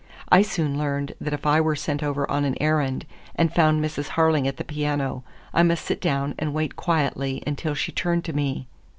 I soon learned that if I were sent over on an errand and found Mrs. Harling at the piano, I must sit down and wait quietly until she turned to me.